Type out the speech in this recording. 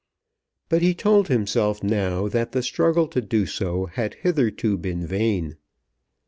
But he told himself now that the struggle to do so had hitherto been vain.